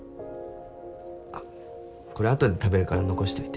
あっこれ後で食べるから残しといて。